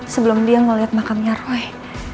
sebelum dia melihat makamnya ruang